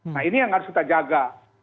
nah ini yang harus kita jaga